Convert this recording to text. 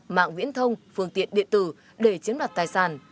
mạng viễn thông phương tiện điện tử để chiếm đoạt tài sản